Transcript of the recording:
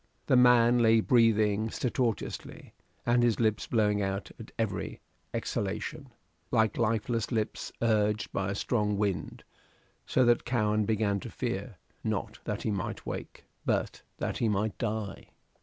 The man lay breathing stertorously, and his lips blowing out at every exhalation like lifeless lips urged by a strong wind, so that Cowen began to fear, not that he might wake, but that he might die.